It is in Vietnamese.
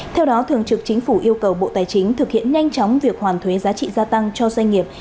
theo đó thường trực chính phủ yêu cầu bộ tài chính thực hiện nhanh chóng việc hoàn thuế giá trị gia tăng cho doanh nghiệp